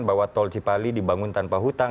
bahwa tol cipali dibangun tanpa hutang